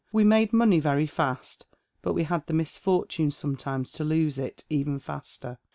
We made money very fast, but we had the misfortune sometimes to lose it even faster.